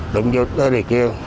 đụng vô đề kia